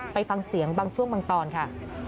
ไปฟังเสียงบางช่วงบางตอนค่ะ